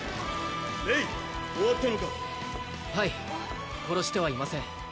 レイ終わったのかはい殺してはいません